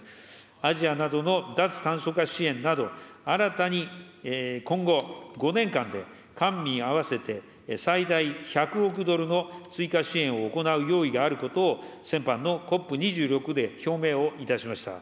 アジアなどの脱炭素化支援など、新たに今後５年間で、官民合わせて最大１００億ドルの追加支援を行う用意があることを、先般のＣＯＰ２６で表明をいたしました。